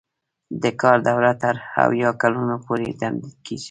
د کار دوره تر اویا کلونو پورې تمدید کیږي.